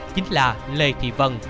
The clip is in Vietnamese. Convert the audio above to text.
chính là lê thị vân